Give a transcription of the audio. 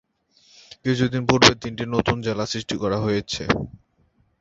কিছুদিন পূর্বে তিনটি নতুন জেলা সৃষ্টি করা হয়েছে।